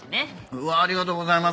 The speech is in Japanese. うわあありがとうございます。